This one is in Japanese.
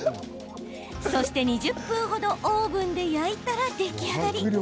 そして２０分程オーブンで焼いたら出来上がり。